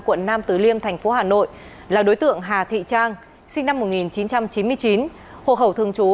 quận nam tứ liêm tp hà nội là đối tượng hà thị trang sinh năm một nghìn chín trăm chín mươi chín hộ hậu thường trú